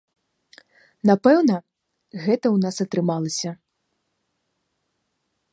Напэўна, гэта ў нас атрымалася.